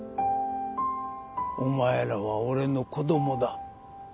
お前らは俺の子供だ。